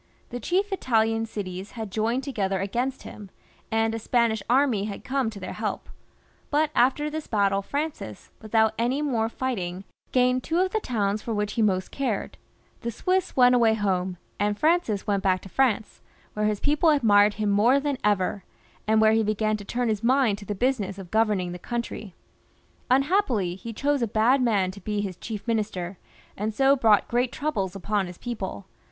The chief Italian cities had joined to gether against him, and a Spanish army had come to their help ; but after this battle, Francis* without any more fighting, gained two of the towns for which he most cared ; the Swiss went away home, and Francis went back to France, where his people admired him more than ever, and where he began to turn his mind to the business of govern ing the country. Unhappily, he chose a bad man to be his chief minister, and so brought great troubles upon his people.